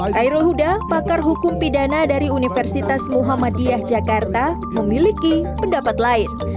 khairul huda pakar hukum pidana dari universitas muhammadiyah jakarta memiliki pendapat lain